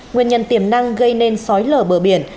nguyên nhân tiềm năng gây nên sói lở bờ biển